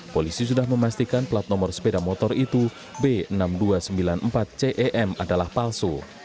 polisi sudah memastikan plat nomor sepeda motor itu b enam ribu dua ratus sembilan puluh empat cem adalah palsu